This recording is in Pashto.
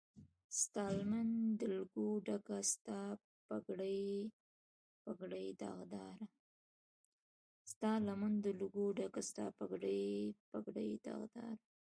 ستالمن د لکو ډکه، ستا پګړۍ، پګړۍ داغداره